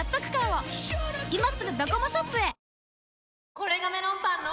これがメロンパンの！